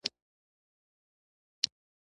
په اروپا کې نیاندرتال انسان ژوند کاوه.